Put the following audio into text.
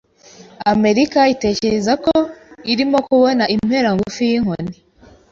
Amerika itekereza ko irimo kubona impera ngufi yinkoni.